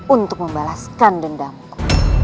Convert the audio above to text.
untuk membalaskan dendamku